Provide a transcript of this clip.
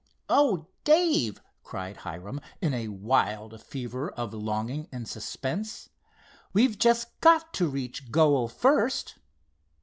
"Oh, Dave," cried Hiram, in a wild fever of longing and suspense, "we've just got to reach goal first!"